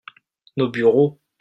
nos bureaux.